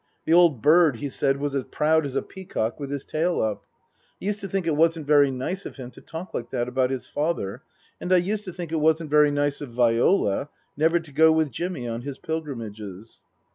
The old bird, he said, was as proud as a peacock with his tail up. I used to think it wasn't very nice of him to talk like that about his father. And I used to think it wasn't very nice of Viola never to go with Jimmy on his pilgrimages.